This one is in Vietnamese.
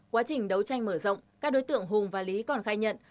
quá trình đấu tranh mở rộng các đối tượng hùng và lý còn khai nhận